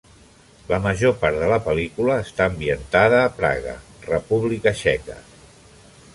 La major part de la pel·lícula està ambientada a Praga, República Txeca.